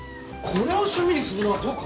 これを趣味にするのはどうかな？